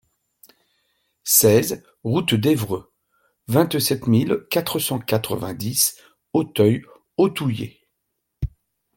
seize route d'Evreux, vingt-sept mille quatre cent quatre-vingt-dix Autheuil-Authouillet